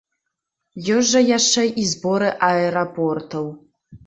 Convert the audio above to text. Ёсць жа яшчэ і зборы аэрапортаў.